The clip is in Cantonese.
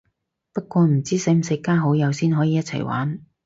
不過唔知使唔使加好友先可以一齊玩